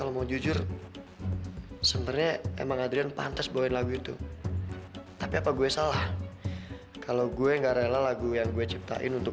lo mau biarin si adrian menang gitu